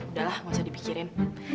udah lah gak usah dipikirin